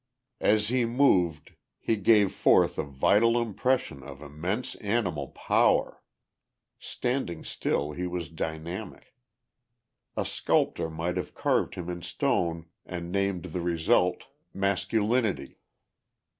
As he moved he gave forth a vital impression of immense animal power; standing still he was dynamic. A sculptor might have carved him in stone and named the result "Masculinity."